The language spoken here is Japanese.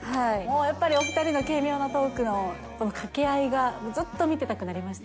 やっぱりお２人の軽妙なトークの掛け合いが、ずっと見てたくなりました。